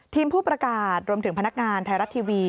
ผู้ประกาศรวมถึงพนักงานไทยรัฐทีวี